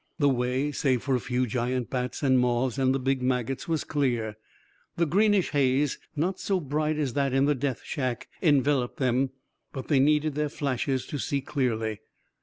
The way, save for a few giant bats and moths, and the big maggots, was clear. The greenish haze, not so bright as that in the death shack, enveloped them, but they needed their flashes to see clearly.